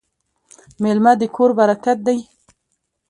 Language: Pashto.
میلمه د کور برکت دی.